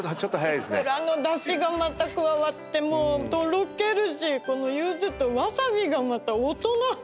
いくらのだしがまた加わってもうとろけるしこのゆずとわさびがまた大人！